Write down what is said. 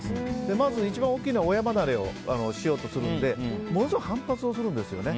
まず一番大きいのは親離れをしようとするのでものすごく反発するんですね。